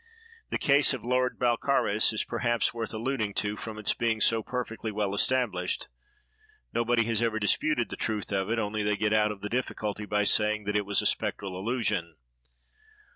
The case of Lord Balcarres is perhaps worth alluding to, from its being so perfectly well established. Nobody has ever disputed the truth of it, only they get out of the difficulty by saying that it was a spectral illusion!